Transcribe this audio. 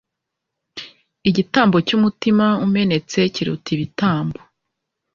igitambo cy umutima umenetse kiruta ibitambo